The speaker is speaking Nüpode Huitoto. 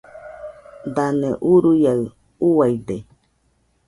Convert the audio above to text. Dane uruaiaɨ uaide.